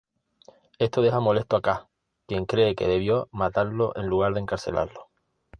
Esto deja molesto a K, quien cree que debió matarlo en lugar de encarcelarlo.